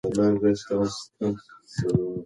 که تلویزیون وي نو نړۍ نه هیریږي.